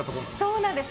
そうなんです。